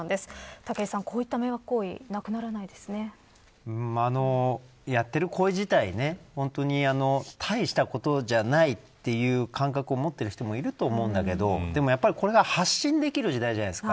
武井さん、こういった迷惑行為やってる行為自体本当に大したことじゃないという感覚を持っている人もいると思うんだけどでもこれが発信できる時代じゃないですか。